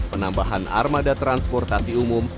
penambahan armada transportasi umum